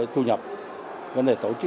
thu nhập vấn đề tổ chức